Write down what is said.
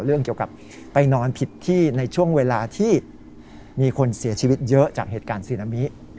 เรื่องเกี่ยวกับไปนอนผิดที่ในช่วงเวลาที่มีคนเสียชีวิตเยอะจากเหตุการณ์ซึนามิ